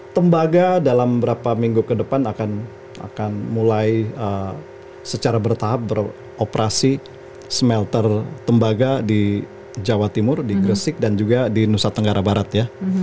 tembaga dalam beberapa minggu ke depan akan mulai secara bertahap beroperasi smelter tembaga di jawa timur di gresik dan juga di nusa tenggara barat ya